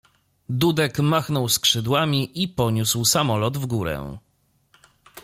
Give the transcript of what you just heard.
Dudek machnął skrzydłami i poniósł samolot w górę.